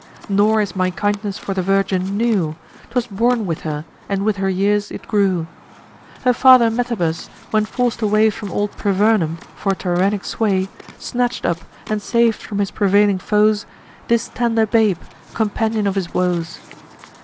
Nor is my kindness for the virgin new: 'Twas born with her; and with her years it grew. Her father Metabus, when forc'd away From old Privernum, for tyrannic sway, Snatch'd up, and sav'd from his prevailing foes, This tender babe, companion of his woes.